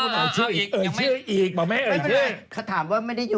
เขาเป็นเพื่อนสนิทแสนเนียกับพี่ในลาย